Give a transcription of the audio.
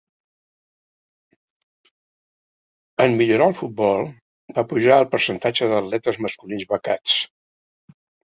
En millorar el futbol, va pujar el percentatge d'atletes masculins becats.